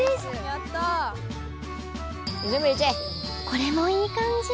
これもいい感じ。